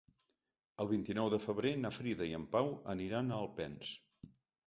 El vint-i-nou de febrer na Frida i en Pau aniran a Alpens.